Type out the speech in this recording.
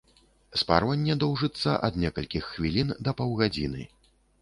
Спарванне доўжыцца ад некалькіх хвілін да паўгадзіны.